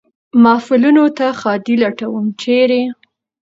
محفلونو ته ښادي لټوم ، چېرې ؟